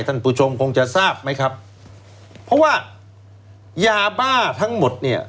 ท่านผู้ชมคงจะทราบไหมครับเพราะว่ายาบ้าทั้งหมดเนี่ย